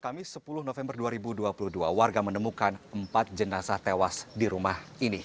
kamis sepuluh november dua ribu dua puluh dua warga menemukan empat jenazah tewas di rumah ini